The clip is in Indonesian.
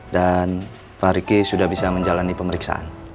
dan pak riki sudah bisa menjalani pemeriksaan